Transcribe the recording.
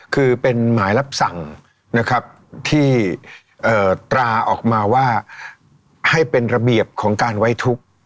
คือเป็นหมายรับสั่งนะครับที่ตราออกมาว่าให้เป็นระเบียบของการไว้ทุกข์